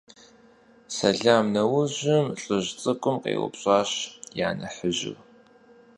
Сэлам нэужьым лӀыжь цӀыкӀум къеупщӀащ я нэхъыжьыр.